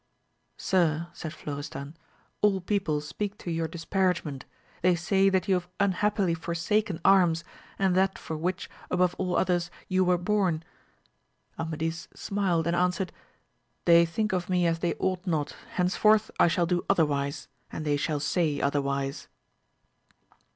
Sir, said Florestan, all people speak to your disparage ment ; they say that you have unhappily forsaken arms and that for which, above all others, you were bom. Amadis smiled and answered, they think ol me as they ought not, henceforth I shall do other wise, and they shall say otherwise.